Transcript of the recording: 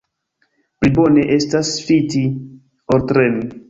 Pli bone estas ŝviti, ol tremi.